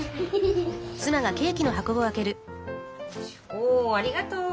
おありがとう。